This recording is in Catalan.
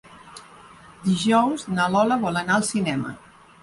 Dijous na Lola vol anar al cinema.